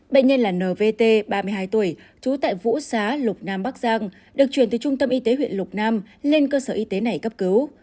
bệnh nhân là nvt ba mươi hai tuổi trú tại vũ xá lục nam bắc giang được chuyển từ trung tâm y tế huyện lục nam lên cơ sở y tế này cấp cứu